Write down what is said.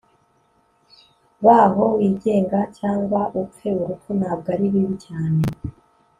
baho wigenga cyangwa upfe urupfu ntabwo aribi bibi cyane